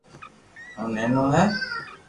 او نينو ھي